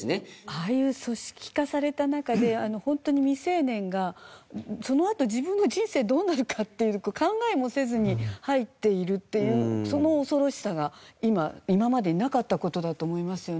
ああいう組織化された中でホントに未成年がそのあと自分の人生どうなるかってよく考えもせずに入っているっていうその恐ろしさが今までになかった事だと思いますよね。